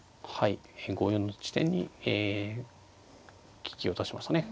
５四の地点に利きを足しましたね。